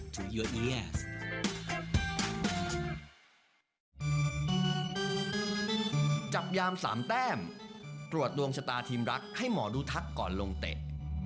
ยามสามแต้มตรวจดวงชะตาทีมรักให้หมอดูทักก่อนลงเตะ